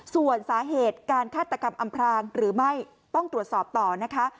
ส่วนสาเหตุการฆาตกรรมอำพรางหรือไม่ต้องตรวจสอบต่อนะคะ